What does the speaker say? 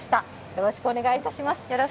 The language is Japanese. よろしくお願いします。